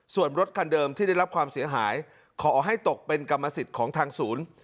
ส่วนรถคันเดิมที่ได้รับความเสียหายขอให้ตกเป็นกรรมสิทธิ์ของทางศูนย์